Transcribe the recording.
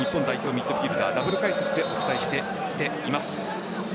ミッドフィールダーダブル解説でお伝えしてきています。